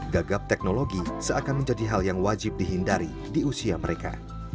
gagap teknologi seakan menjadi hal yang wajib dihindari di usia mereka